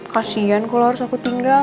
kasian kalau harus aku tinggal